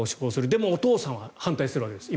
でも、お父さんは反対するわけです。